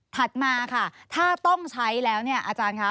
ถัดมาค่ะถ้าต้องใช้แล้วเนี่ยอาจารย์คะ